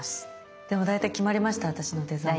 でも大体決まりました私のデザイン。